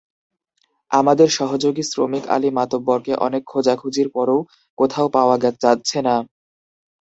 আমাদের সহযোগী শ্রমিক আলী মাতব্বরকে অনেক খোঁজাখুঁজির পরও কোথাও পাওয়া যাচ্ছে না।